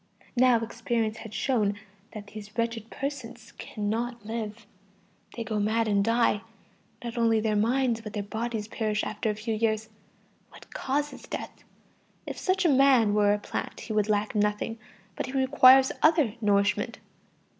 Now, experience has shown that these wretched persons cannot live. They go mad and die. Not only their minds but their bodies perish after a few years. What causes death? If such a man were a plant, he would lack nothing, but he requires other nourishment.